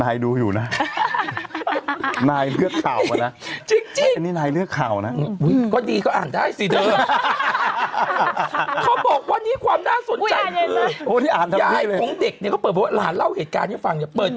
อันเมื่อกี้นี้มันปังไป